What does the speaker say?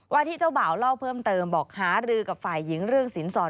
ที่เจ้าบ่าวเล่าเพิ่มเติมบอกหารือกับฝ่ายหญิงเรื่องสินสอด